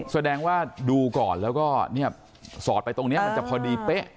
แสดงว่าดูก่อนแล้วก็เนี่ยสอดไปตรงนี้มันจะพอดีเป๊ะ